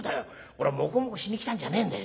俺はもこもこしに来たんじゃねえんだよ。